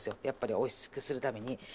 やっぱりおいしくするために。